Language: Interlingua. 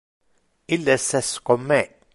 Illes es con me.